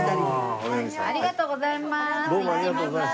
ありがとうございます。